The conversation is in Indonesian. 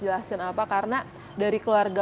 jelasin apa karena dari keluarga